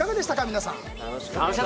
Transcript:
皆さん。